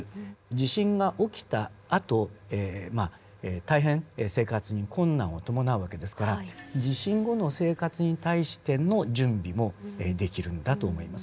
地震が起きたあと大変生活に困難を伴う訳ですから地震後の生活に対しての準備もできるんだと思います。